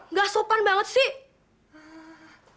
nggak sopan banget sih